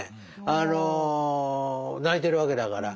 あの泣いてるわけだから。